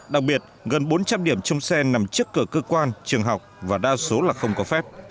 đặc biệt gần bốn trăm linh điểm trông xe nằm trước cửa cơ quan trường học và đa số là không có phép